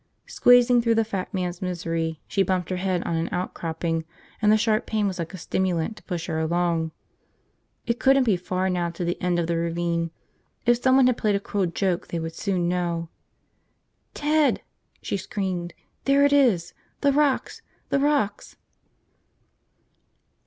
Squeezing through the Fat Man's Misery, she bumped her head on an outcropping and the sharp pain was like a stimulant to push her along. It couldn't be far now to the end of the ravine. If someone had played a cruel joke they would soon know. ... "Ted!" she screamed, "there it is! The rocks ... the rocks